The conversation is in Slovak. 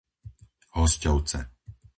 Hosťovce